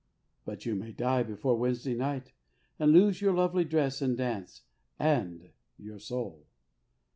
" But you may die before Wednesday night, and lose your lovely dress and the dance and your soul."